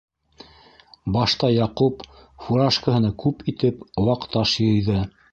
Башта Яҡуп фуражкаһына күп итеп ваҡ таш йыйҙы.